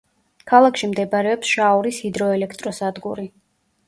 ქალაქში მდებარეობს შაორის ჰიდროელექტროსადგური.